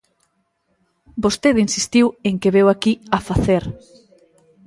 Vostede insistiu en que veu aquí a facer.